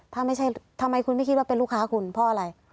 ถ้าไม่ใช่ทำไมคุณไม่คิดว่าเป็นลูกค้าคุณเพราะอะไร